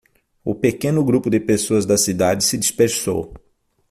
O pequeno grupo de pessoas da cidade se dispersou.